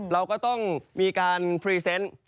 เราก็ต้องมีการพรีเซนต์